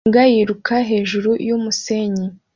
Imbwa yiruka hejuru y'umusenyi